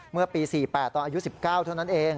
เมื่อปี๔๘ตอนอายุ๑๙เท่านั้นเอง